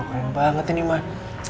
keren banget ini bang